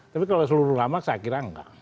tapi kalau seluruh lama saya kira enggak